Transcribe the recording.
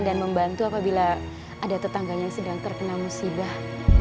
dan membantu apabila ada tetangganya sedang terkena musibah